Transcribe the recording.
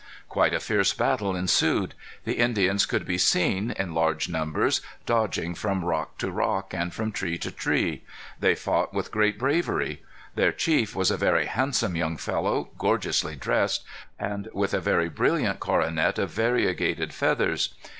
Quite a fierce battle ensued. The Indians could be seen, in large numbers, dodging from rock to rock, and from tree to tree. They fought with great bravery. Their chief was a very handsome young fellow, gorgeously dressed, and with a very brilliant coronet of variegated feathers.